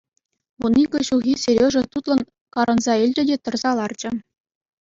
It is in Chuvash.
Вун икӗ ҫулхи Сережа тутлӑн карӑнса илчӗ те тӑрса ларчӗ.